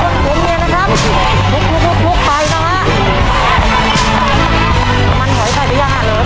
หูแดดเดียวนะครับตอนนี้สองคนเย็นเย็นนะครับ